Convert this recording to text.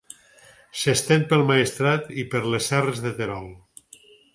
S'estén pel Maestrat i per les serres de Terol.